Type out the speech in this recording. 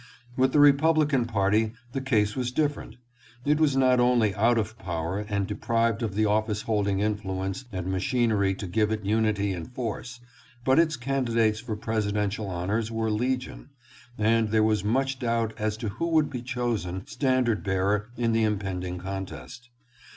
With the Republican party the case was different. It was not only out of power and deprived of the office holding influence and machinery to give it unity and force, but its candidates for presidential honors were legion, and there was much doubt as to who would be chosen stand ard bearer in the impending contest.